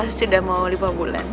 sudah mau lima bulan